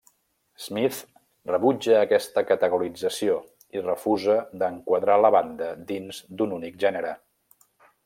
Smith rebutja aquesta categorització i refusa d'enquadrar la banda dins d'un únic gènere.